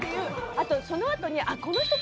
あとそのあとに。